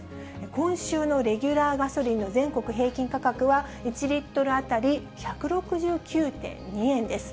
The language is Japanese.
今週のレギュラーガソリンの全国平均価格は、１リットル当たり１６９．２円です。